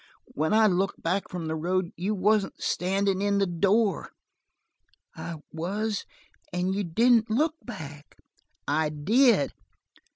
"When I looked back from the road you wasn't standin' in the door." "I was. And you didn't look back." "I did."